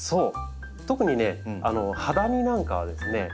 特にねハダニなんかはですね